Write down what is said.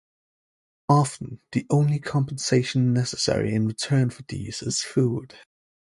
Often, the only compensation necessary in return for these is food.